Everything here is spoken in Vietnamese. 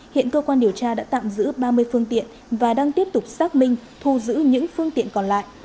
hiện cơ quan điều tra đã tạm giữ ba mươi phương tiện và đang tiếp tục xác minh thu giữ những phương tiện còn lại